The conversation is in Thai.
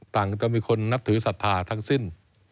จะมีคนนับถือศรัทธาทั้งสิ้น